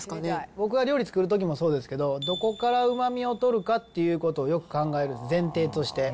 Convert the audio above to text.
僕が料理作るときもそうですけど、どこからうまみをとるかっていうことをよく考える、前提として。